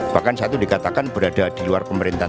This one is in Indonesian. bahkan saat itu dikatakan berada di luar pemerintahan